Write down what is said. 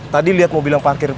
tadi lihat mobil yang parkir